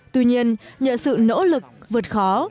tuy nhiên nhờ sự nỗ lực vượt khó